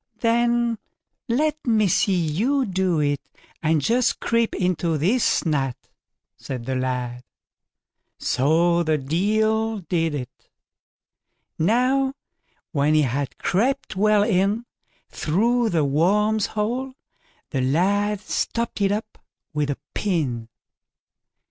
then let me see you do it, and just creep into this nut", said the lad. So the Deil did it. Now, when he had crept well in through the worm's hole, the lad stopped it up with a pin.